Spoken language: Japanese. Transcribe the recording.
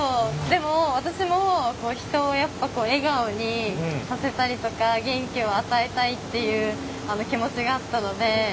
でも私も人をやっぱ笑顔にさせたりとか元気を与えたいっていう気持ちがあったので。